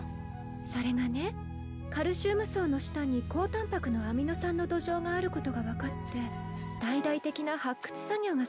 それがねカルシウム層の下に高タンパクのアミノ酸の土壌があることが分かって大々的な発掘作業が進んでいるそうよ。